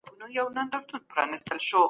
دولت باید خصوصي سکتور ته خنډونه جوړ نه کړي.